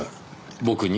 僕に？